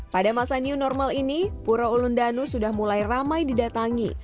pada masa new normal ini pura ulundanu sudah mulai ramai didatangi